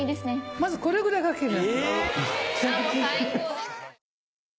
まずこれぐらいかける。